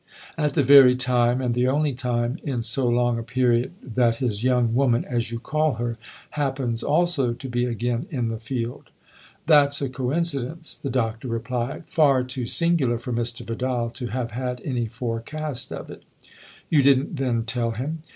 " At the very time, and the only time, in so long a period that his young woman, as you call her, happens also to be again in the field !"" That's a coincidence," the Doctor replied, " far too singular for Mr. Vidal to have had any forecast of it." " You didn't then tell him